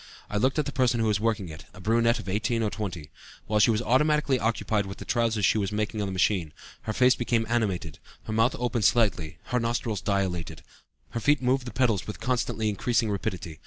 I looked at the person who was working it, a brunette of 18 or 20. While she was automatically occupied with the trousers she was making on the machine, her face became animated, her mouth opened slightly, her nostrils dilated, her feet moved the pedals with constantly increasing rapidity.